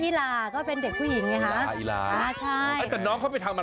ถ้าเป็นอีหลาก็เป็นเด็กผู้หญิงไงนะ